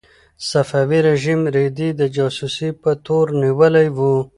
صفوي رژیم رېدی د جاسوسۍ په تور نیولی و.